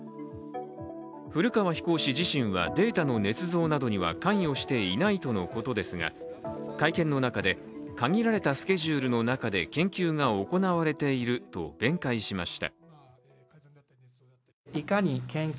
古川飛行士自身はデータのねつ造などには関与していないとのことですが、会見の中で、限られたスケジュールの中で研究が行われていると弁解しました。